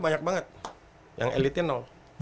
banyak banget yang elitnya